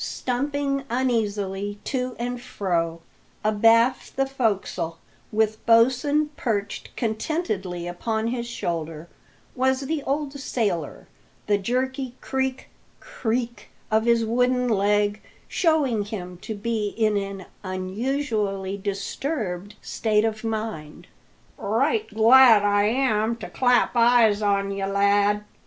Stumping uneasily to and fro, "abaft the fo'csle," with Bosin perched contentedly upon his shoulder, was the old sailor the jerky creak, creak of his wooden leg showing him to be in an unusually disturbed state of mind. "Right glad I am to clap eyes on ye, lad!"